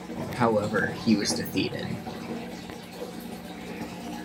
However, he was defeated.